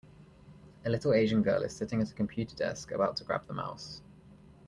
A little asian girl is sitting at a computer desk about to grab the mouse.